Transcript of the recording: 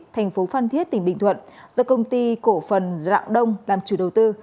thành phố phan thiết tỉnh bình thuận do công ty cổ phần rạng đông làm chủ đầu tư